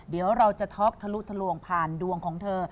เดี๋ยวเราจะท็อกทะลุทะลวงผ่านดวงของเธอ